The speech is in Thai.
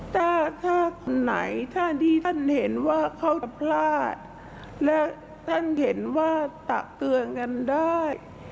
ถ้าถ้าคนไหนถ้าที่ท่านเห็นว่าเขาจะพลาดและท่านเห็นว่าตักเตือนกันได้